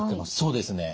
そうですね。